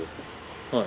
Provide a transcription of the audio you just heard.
はい。